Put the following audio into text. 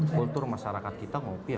kultur masyarakat kita ngopi ya